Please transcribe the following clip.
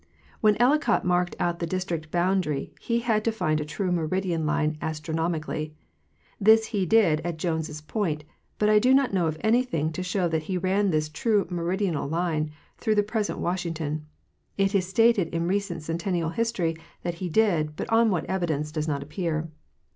; When Ellicott marked out the District boundary he had to find a true meridian line astronomically. This he did at Jones point, but I do not know of anything to show that he ran this "true meridional line" through the present Washington. It is stated in the recent centennial history that he did, but on what evidence does not appear.